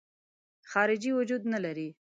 خارجي وجود نه لري.